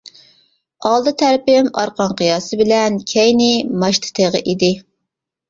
ئالدى تەرىپىم ئارقان قىياسى بىلەن كەينى ماچتا تېغى ئىدى.